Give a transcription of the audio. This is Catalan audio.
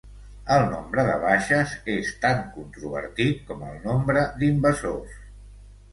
El nombre de baixes és tan controvertit com el nombre d'invasors.